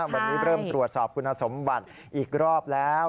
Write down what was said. วันนี้เริ่มตรวจสอบคุณสมบัติอีกรอบแล้ว